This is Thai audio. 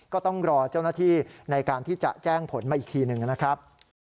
ก็ต้องรอเจ้าหน้าที่ในการที่จะแจ้งผลมาอีกทีหนึ่งนะครับ